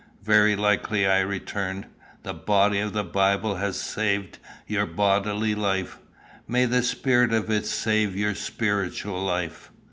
"Very likely," I returned. "The body of the Bible has saved your bodily life: may the spirit of it save your spiritual life."